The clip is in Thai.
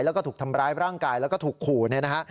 แล้วก็ถูกทำร้ายร่างกายแล้วก็ถูกขู่เนี่ยนะฮะ